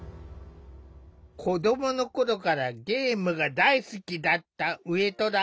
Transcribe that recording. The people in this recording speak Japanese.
子どもの頃からゲームが大好きだった上虎。